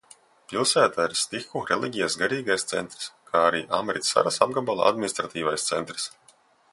Pilsēta ir sikhu reliģijas garīgais centrs, kā arī Amritsaras apgabala administratīvais centrs.